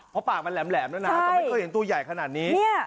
เพราะปากมันแหลมแหลมด้วยน่ะใช่ไม่เคยเห็นตัวใหญ่ขนาดนี้เนี้ย